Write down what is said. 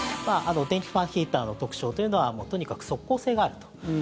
電気ファンヒーターの特徴というのはもうとにかく即効性があると。